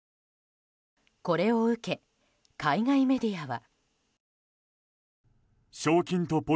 これを受け、海外メディアは。